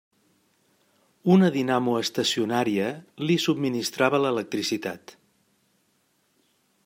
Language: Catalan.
Una dinamo estacionària li subministrava l'electricitat.